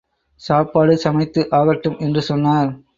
சாப்பாடு சமைத்து ஆகட்டும் என்று சொன்னார்.